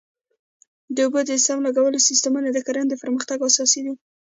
د اوبو د سم لګولو سیستمونه د کرنې د پرمختګ اساس دی.